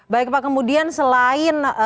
baik pak kemudian selain